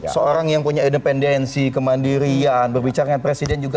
seorang yang punya independensi kemandirian berbicara dengan presiden juga